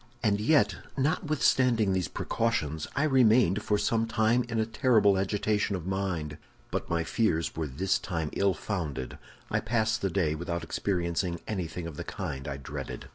"And yet, notwithstanding these precautions, I remained for some time in a terrible agitation of mind. But my fears were this time ill founded; I passed the day without experiencing anything of the kind I dreaded.